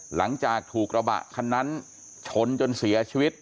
หลังจากถูกกระบะคันนั้นชนจนเสียชีวิต